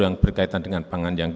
yang berkaitan dengan pangan